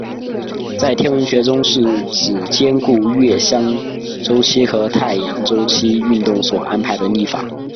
在天文学中是指兼顾月相周期和太阳周期运动所安排的历法。